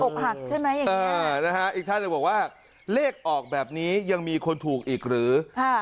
อกหักใช่ไหมอีกท่านก็บอกว่าเลขออกแบบนี้ยังมีคนถูกอีกหรือ